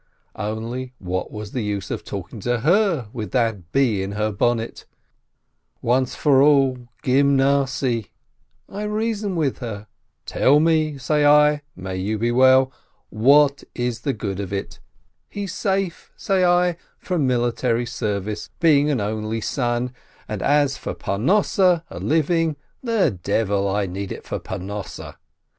Only what was the use of talking to her with that bee in her bonnet? Once for all, Gymnasiye! I reason with her. "Tell me," say I, "(may you be well !) what is the good of it? He's safe/' say I, "from military service, being an only son, and as for Parnosseh, devil I need it for Parnosseh